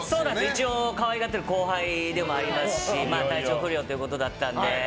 一応可愛がってる後輩でもありますし体調不良ということだったので。